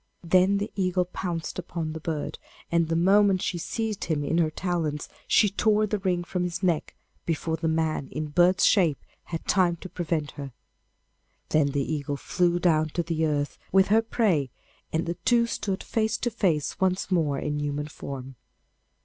Then the eagle pounced upon the bird, and the moment she seized him in her talons she tore the ring from his neck before the man in bird's shape had time to prevent her. Then the eagle flew down to the earth with her prey, and the two stood face to face once more in human form.